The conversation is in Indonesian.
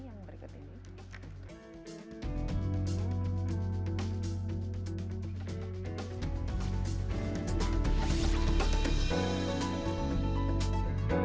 yang berikut ini